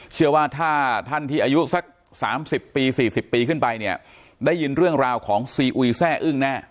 เชื่อว่าถ้าท่านที่อายุสัก๓๐ปี๔๐ปีขึ้นไปเนี่ยได้ยินเรื่องราวของซีอุยแซ่อึ้งแน่